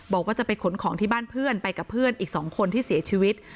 บอกว่าจะไปขนของที่บ้านเพื่อนไปกับเพื่อนอีก๒คนที่เสียชีวิต